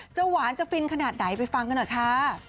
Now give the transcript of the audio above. ความพิเศษแหละค่ะ